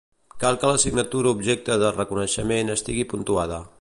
Cal que l'assignatura objecte de reconeixement estigui puntuada.